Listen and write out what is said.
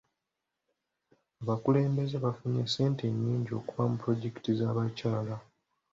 Abakulembeze bafunye ssente nnyingi okuva mu pulojekiti z'abakyala.